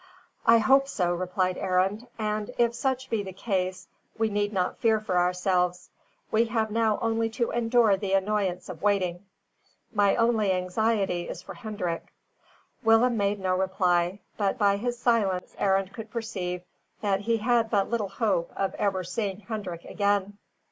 "I hope so," replied Arend, "and, if such be the case, we need not fear for ourselves. We have now only to endure the annoyance of waiting. My only anxiety is for Hendrik." Willem made no reply, but by his silence Arend could perceive that he had but little hope of ever seeing Hendrik gain.